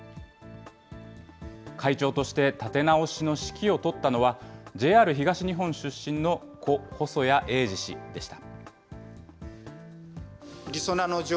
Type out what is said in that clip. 会長として立て直しの指揮を執ったのは、ＪＲ東日本出身の故・細谷英二氏でした。